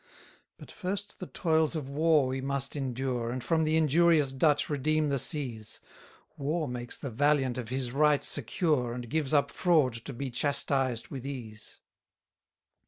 197 But first the toils of war we must endure, And from the injurious Dutch redeem the seas. War makes the valiant of his right secure, And gives up fraud to be chastised with ease.